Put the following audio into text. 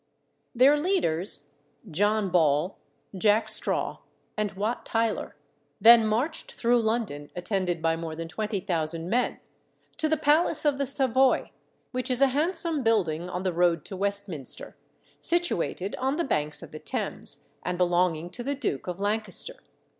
"Their leaders, John Ball, Jack Straw, and Wat Tyler, then marched through London, attended by more than twenty thousand men, to the PALACE OF THE SAVOY, which is a handsome building on the road to Westminster, situated on the banks of the Thames, and belonging to the Duke of Lancaster.